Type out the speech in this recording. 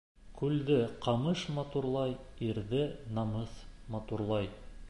Күлде ҡамыш матурлай, ирҙе намыҫ матурлай.